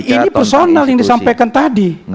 ini personal yang disampaikan tadi